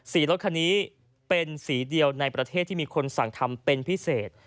รถคันนี้เป็นสีเดียวในประเทศที่มีคนสั่งทำเป็นพิเศษ